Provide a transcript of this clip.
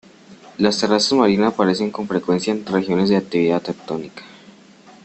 Las terrazas marinas aparecen con frecuencia en regiones de actividad tectónica.